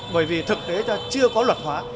bởi vì thực tế chưa có luật hóa